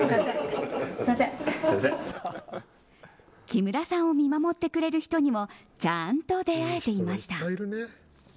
木村さんを見守ってくれる人にもちゃんと出会えていました。